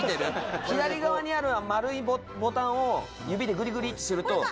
左側にある丸いボタンを指でグリグリってすると。